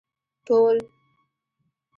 ټول